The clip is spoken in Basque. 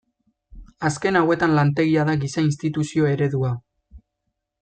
Azken hauetan lantegia da giza-instituzio eredua.